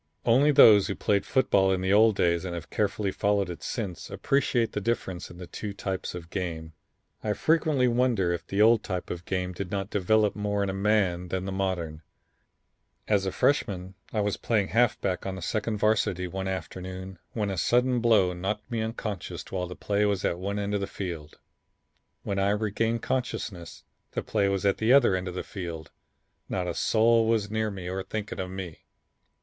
"Only those who played football in the old days and have carefully followed it since appreciate the difference in the two types of game. I frequently wonder if the old type of game did not develop more in a man than the modern. As a freshman I was playing halfback on the second Varsity one afternoon when a sudden blow knocked me unconscious while the play was at one end of the field. When I regained consciousness the play was at the other end of the field, not a soul was near me or thinking of me.